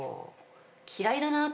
「嫌いだなぁ」？